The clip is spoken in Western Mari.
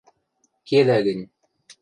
– Кедӓ гӹнь...